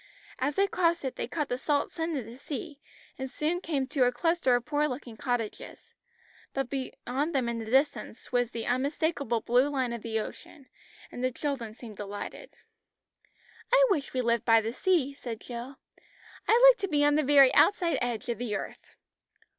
As they crossed it, they caught the salt scent of the sea, and soon came to a cluster of poor looking cottages, but beyond them in the distance was the unmistakable blue line of the ocean, and the children seemed delighted. "I wish we lived by the sea," said Jill. "I like to be on the very outside edge of the earth."